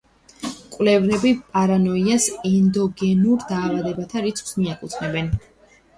მკვლევრები პარანოიას ენდოგენურ დაავადებათა რიცხვს მიაკუთვნებენ.